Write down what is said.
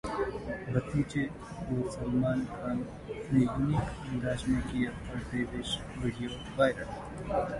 भतीजे को सलमान खान ने यूनीक अंदाज में किया बर्थडे विश, वीडियो वायरल